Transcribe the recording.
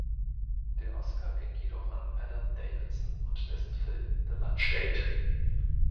Der Oscar ging jedoch an Adam Davidson und dessen Film "The Lunch Date".